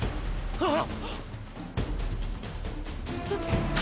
あっ！